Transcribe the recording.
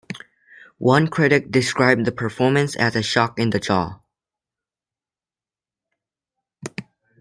One critic described the performance as a sock in the jaw.